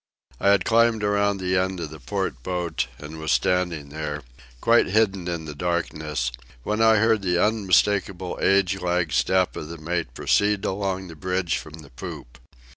I had climbed around the end of the port boat, and was standing there, quite hidden in the darkness, when I heard the unmistakable age lag step of the mate proceed along the bridge from the poop.